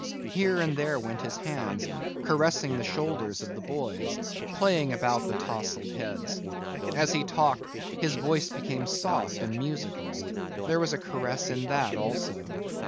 Here and there went his hands, caressing the shoulders of the boys, playing about the tousled heads. As he talked his voice became soft and musical. There was a caress in that also.